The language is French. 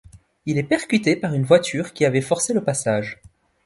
Il est percuté par une voiture qui avait forcé le passage.